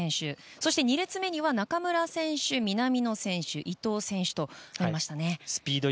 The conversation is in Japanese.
そして２列目には中村選手南野選手、伊東選手となりましたよね。